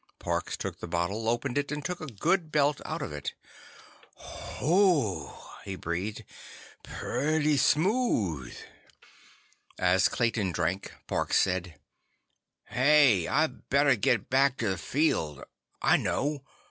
Parks took the bottle, opened it, and took a good belt out of it. "Hooh!" he breathed. "Pretty smooth." As Clayton drank, Parks said: "Hey! I better get back to the field! I know!